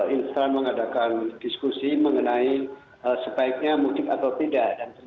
instan mengadakan diskusi mengenai sebaiknya mudik atau tidak